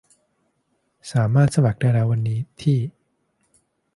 สามารถสมัครได้แล้ววันนี้ที่